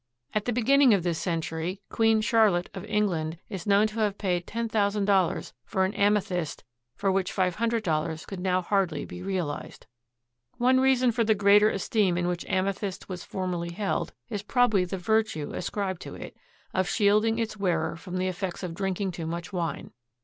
At the beginning of this century Queen Charlotte of England is known to have paid $10,000 for an amethyst for which $500 could now hardly be realized. One reason for the greater esteem in which amethyst was formerly held is probably the virtue ascribed to it of shielding its wearer from the effects of drinking too much wine.